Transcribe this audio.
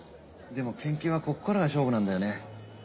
でも研究はここからが勝負なんだよね。